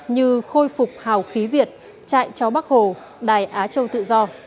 như khôi phục hào khí việt trại cháu bắc hồ đài á châu tự do